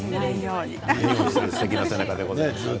すてきな背中でございました。